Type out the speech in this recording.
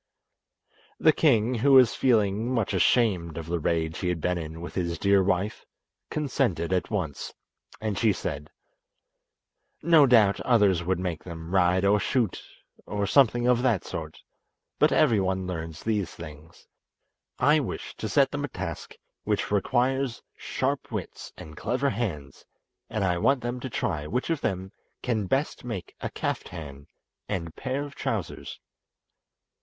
The king, who was feeling much ashamed of the rage he had been in with his dear wife, consented at once, and she said: "No doubt others would make them ride or shoot, or something of that sort, but every one learns these things. I wish to set them a task which requires sharp wits and clever hands, and I want them to try which of them can best make a kaftan and pair of trousers."